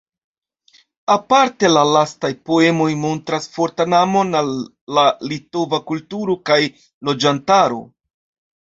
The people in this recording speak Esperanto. Aparte la lastaj poemoj montras fortan amon al la litova kulturo kaj loĝantaro.